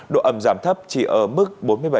độ ẩm giảm thấp chỉ ở mức bốn mươi bảy